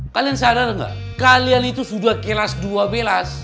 kalian sadar gak kalian itu sudah kelas dua belas